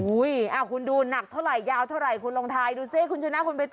คุณดูหนักเท่าไหร่ยาวเท่าไหร่คุณลองทายดูสิคุณชนะคุณไปต่อ